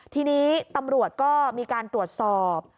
ทีนี้ตำรวจก็มีการตรวจสอบ